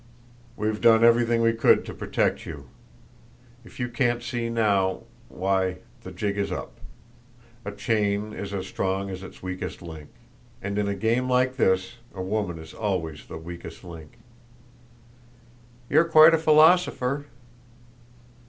"We've done everything we could to protect you. If you can't see now why, the jig is up. A chain is as strong as its weakest link. And in a game like this a woman is always the weakest link." "You're quite a philosopher."